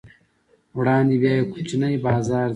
وړاندې بیا یو کوچنی بازار دی.